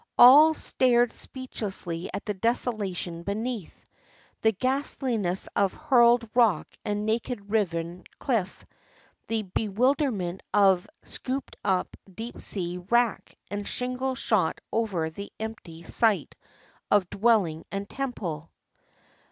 All stared speechlessly at the desolation beneath, — the ghastliness of hurled rock and naked riven cliff, the be wilderment of scooped up deep sea wrack and shingle shot over the empty site of dwelling and temple.